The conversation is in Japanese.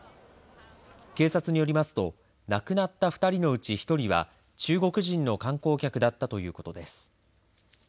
警察によりますと亡くなった２人のうち１人は中国人の観光客だったということです。